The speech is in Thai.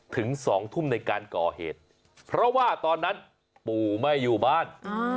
ถึง๒ทุ่มในการก่อเหตุเพราะว่าตอนนั้นปู่ไม่อยู่บ้าน